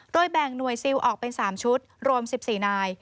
โดยแบ่งหน่วยซิลออกเป็น๓ชุดรวม๑๔นาย